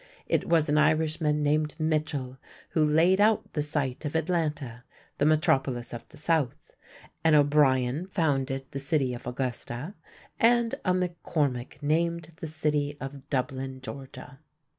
It was an Irishman named Mitchell who laid out the site of Atlanta, the metropolis of the South; an O'Brien founded the city of Augusta; and a McCormick named the city of Dublin, Georgia.